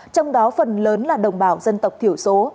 trong đó phần lớn là đồng bào dân tộc thiểu số